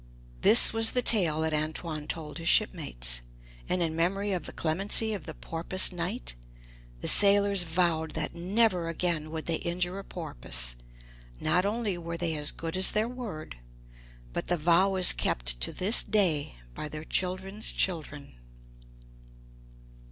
This was the tale that Antoine told his shipmates, and in memory of the clemency of the porpoise knight, the sailors vowed that never again would they injure a porpoise. Not only were they as good as their word, but the vow is kept to this day by their children's children."